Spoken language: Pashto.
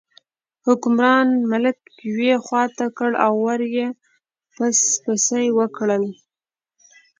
حکمران ملک یوې خوا ته کړ او ور یې پسپسي وکړل.